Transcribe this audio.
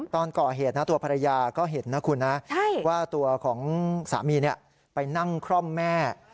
ตอนก่อเหตุนะตัวภรรยาก็เห็นนะคุณนะว่าตัวของสามีไปนั่งคร่อมแม่